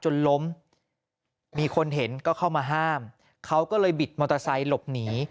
จนล้มมีคนเห็นก็เข้ามาห้ามเขาก็เลยบิดมอเตอร์ไซค์หลบหนี